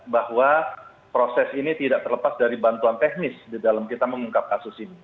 bahwa proses ini tidak terlepas dari bantuan teknis di dalam kita mengungkap kasus ini